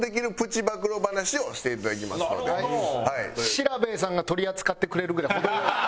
Ｓｉｒａｂｅｅさんが取り扱ってくれるぐらい程良い。